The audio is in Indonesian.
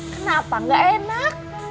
kenapa gak enak